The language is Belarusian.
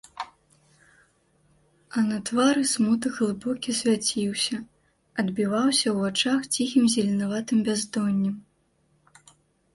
А на твары смутак глыбокі свяціўся, адбіваўся ў вачах ціхім зеленаватым бяздоннем.